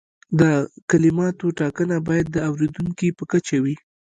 د کلماتو ټاکنه باید د اوریدونکي په کچه وي.